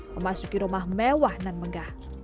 memasuki rumah mewah dan megah